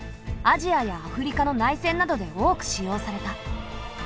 アジアやアフリカの内戦などで多く使用された。